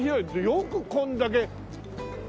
よくこんだけ。